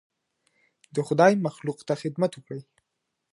د خدای مخلوق ته خدمت وکړئ.